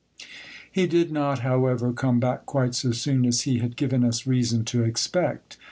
GIL BLAS. He did not, however, come back quite so soon as he had given us reason to expect.